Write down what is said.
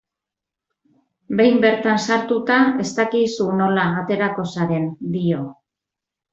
Behin bertan sartuta, ez dakizu nola aterako zaren, dio.